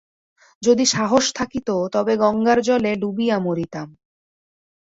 যদি সাহস থাকিত তবে গঙ্গার জলে ডুবিয়া মরিতাম।